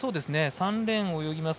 ３レーンを泳ぎます